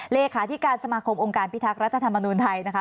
เลขาธิการสมาคมองค์การพิทักษ์รัฐธรรมนุนไทยนะคะ